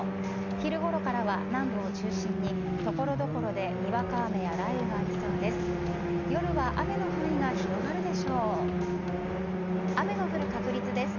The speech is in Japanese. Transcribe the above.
昼ごろからは南部を中心に所々でにわか雨や雷雨がありそうです。